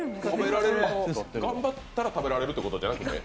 頑張ったら食べられるということじゃなくて？